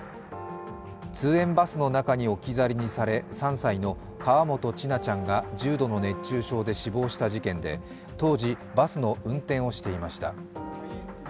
通園バスに置き去りにされ、３歳の河本千奈ちゃんが置き去りにされ重度の熱中症で死亡した事件で、当時、バスの運転手をしていました。